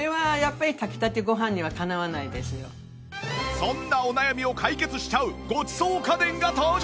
そんなお悩みを解決しちゃうごちそう家電が登場！